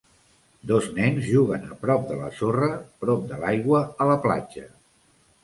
Dos nens juguen a prop a la sorra prop de l'aigua a la platja.